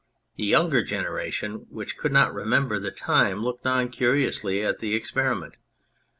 The younger generation, which could not remember the time, looked on curiously at the experiment.